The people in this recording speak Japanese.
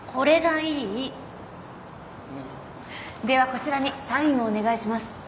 ではこちらにサインをお願いします。